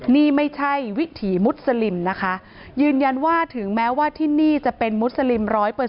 นี่ไม่ใช่วิถีมุสลิมนะคะยืนยันว่าถึงแม้ว่าที่นี่จะเป็นมุสลิม๑๐๐